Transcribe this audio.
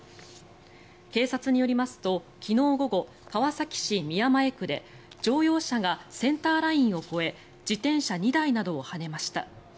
警察によりますと昨日午後、川崎市宮前区で乗用車がセンターラインを越え自転車２台などをはねました。